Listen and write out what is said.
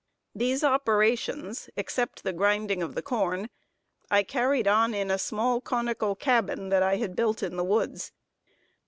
These operations, except the grinding of the corn, I carried on in a small conical cabin that I had built in the woods.